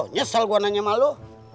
nyesel gua nanya sama lu